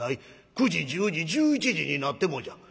９時１０時１１時になってもじゃ。